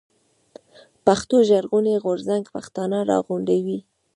پښتون ژغورني غورځنګ پښتانه راغونډوي.